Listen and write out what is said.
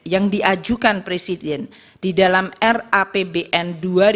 yang diajukan presiden di dalam rapbn dua ribu dua puluh